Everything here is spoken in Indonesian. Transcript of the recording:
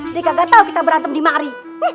dia gak tau kita berantem di mari